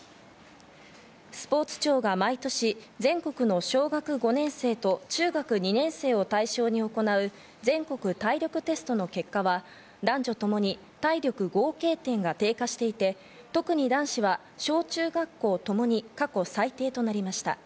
スポーツ庁が毎年、全国の小学５年生と中学２年生を対象に行う全国体力テストの結果は男女ともに体力合計点が低下していて、特に男子は小・中学校ともに過去最低となりました。